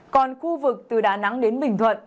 còn khu vực từ đà nẵng đến bình thuận